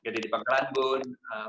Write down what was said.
dari bangkalan pun